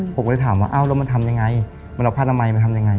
ผมก็เลยถามว่าอ้าวแล้วมันทำยังไงมันเอาผ้านามัยมาทำยังไง